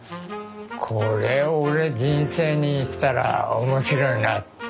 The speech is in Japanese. これ俺人生にしたら面白いなっていう感じで。